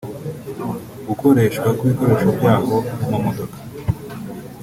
gukoreshwa kw’ibikoresho by’aho nk’amamodoka